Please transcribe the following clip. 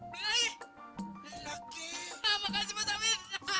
bati mbak binda rumpana bila binda